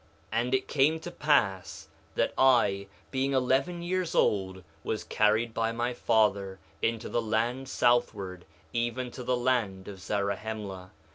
1:6 And it came to pass that I, being eleven years old, was carried by my father into the land southward, even to the land of Zarahemla.